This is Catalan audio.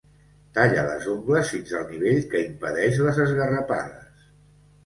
Talla les ungles fins al nivell que impedeix les esgarrapades.